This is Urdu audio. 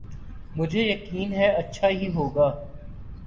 مجھے یقین ہے اچھا ہی ہو گا۔